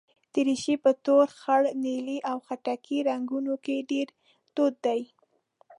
دریشي په تور، خړ، نیلي او خټکي رنګونو کې ډېره دود ده.